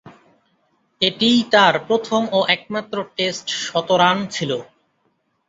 এটিই তার প্রথম ও একমাত্র টেস্ট শতরান ছিল।